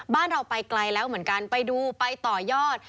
บ้านเราไปไกลแล้วเหมือนกันไปดูไปต่อยอด